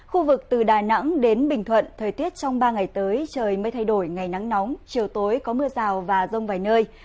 khu vực từ đà nẵng đến bình thuận thời tiết trong ba ngày tới trời mây thay đổi ngày nắng nóng chiều tối có mưa rào và rông vài nơi